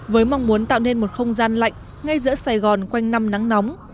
với mong muốn tạo nên một không gian lạnh ngay giữa sài gòn quanh năm nắng nóng